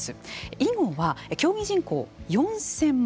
囲碁は競技人口４，０００万。